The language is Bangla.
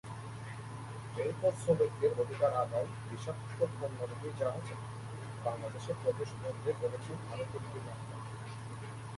এরপর শ্রমিকদের অধিকার আদায়, বিষাক্ত পণ্যবাহী জাহাজ বাংলাদেশে প্রবেশ বন্ধে করেছেন আরো তিনটি মামলা।